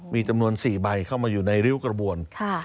มีจำนวน๔ใบเข้ามาอยู่ในริ้วกระบวน